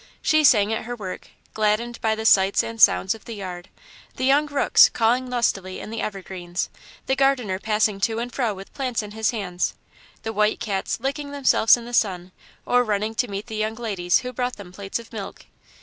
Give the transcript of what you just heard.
She sang at her work, gladdened by the sights and sounds of the yard; the young rooks cawing lustily in the evergreens, the gardener passing to and fro with plants in his hands, the white cats licking themselves in the sun or running to meet the young ladies who brought them plates of milk.